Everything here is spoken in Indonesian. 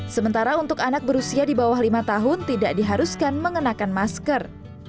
sementara untuk anak berusia di bawah lima tahun tidak diharuskan mengenakan masker